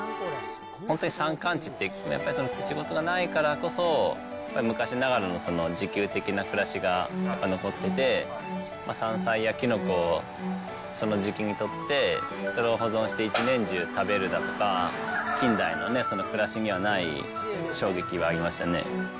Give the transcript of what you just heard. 本当に山間地ってやっぱり仕事がないからこそ、昔ながらの自給的な暮らしが残ってて、山菜やキノコをその時期に採って、それを保存して１年中食べるだとか、近代のくらしにはない衝撃はありましたね。